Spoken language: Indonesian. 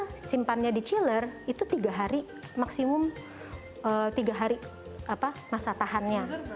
kalau di freezer simpannya di chiller itu tiga hari maksimum masa tahannya